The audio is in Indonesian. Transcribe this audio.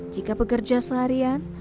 jika bekerja seharian